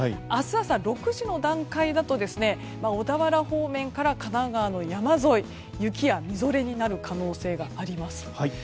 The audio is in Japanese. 明日朝６時の段階だと小田原方面から神奈川の山沿い雪やみぞれになる可能性があります。